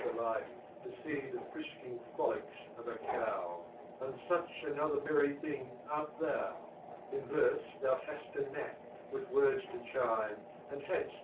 delight, To fee the frisking frOlicks of a Cow ;. And fuch another merry thing art Thou< In Verfe, thou haft a knack,, with words to chime, And had'it.